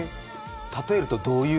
例えると、どういう？